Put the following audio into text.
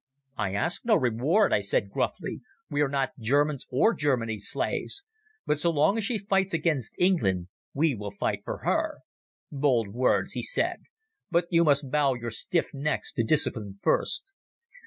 "I ask no reward," I said gruffly. "We are not Germans or Germany's slaves. But so long as she fights against England we will fight for her." "Bold words," he said; "but you must bow your stiff necks to discipline first.